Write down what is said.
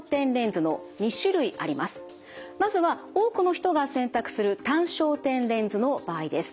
まずは多くの人が選択する単焦点レンズの場合です。